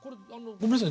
ごめんなさい